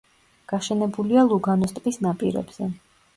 გაშენებულია ლუგანოს ტბის ნაპირებზე.